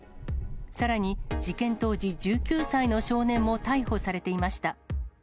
さらに、事件当時１９歳の少年も逮捕されていました。